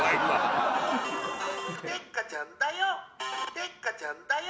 「デッカちゃんだよ。